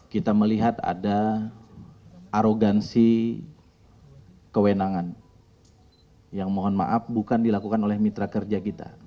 kita melihat ada arogansi kewenangan yang mohon maaf bukan dilakukan oleh mitra kerja kita